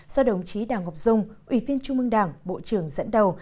do đồng chí đảng ngọc dung ủy viên trung mương đảng bộ trưởng dẫn đầu